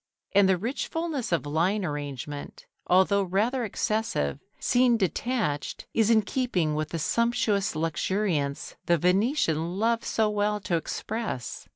And the rich fullness of line arrangement, although rather excessive, seen detached, is in keeping with the sumptuous luxuriance the Venetian loved so well to express.